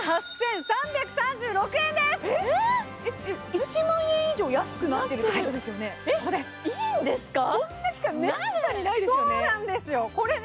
１万円以上安くなってるってことですよね。